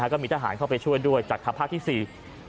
ก็มีทหารเข้าไปช่วยด้วยจากทัพภาคที่สี่